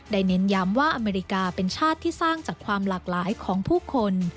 เน้นย้ำว่าอเมริกาเป็นชาติที่สร้างจากความหลากหลายของผู้คน